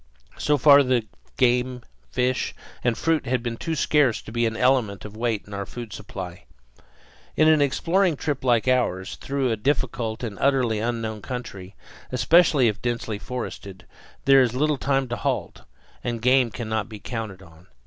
So far the game, fish, and fruit had been too scarce to be an element of weight in our food supply. In an exploring trip like ours, through a difficult and utterly unknown country, especially if densely forested, there is little time to halt, and game cannot be counted on.